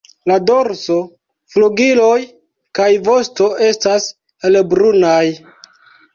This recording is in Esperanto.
La dorso, flugiloj kaj vosto estas helbrunaj.